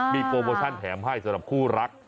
มีโปรโมชั่นแถมให้สำหรับคู่รัก